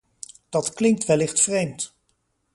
Dat klinkt wellicht vreemd.